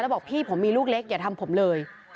บอกพี่ผมมีลูกเล็กอย่าทำผมเลย